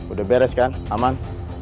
udah beres kan aman